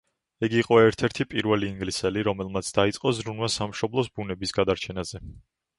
იგი იყო ერთ-ერთი პირველი ინგლისელი, რომელმაც დაიწყო ზრუნვა სამშობლოს ბუნების გადარჩენაზე.